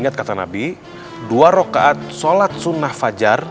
tapi dua rokaat sholat sunnah fajar